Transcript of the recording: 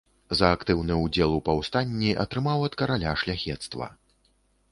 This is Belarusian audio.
За актыўны ўдзел у паўстанні атрымаў ад караля шляхецтва.